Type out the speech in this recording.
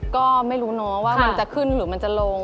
ก็ไม่รู้เนอะว่ามันจะขึ้นหรือมันจะลง